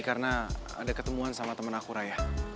karena ada ketemuan sama temen aku raya